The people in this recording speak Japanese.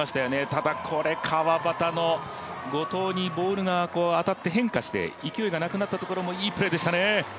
ただこれ、川畑の後藤にボールが当たって変化して勢いが、なくなったところもいいプレーでしたね。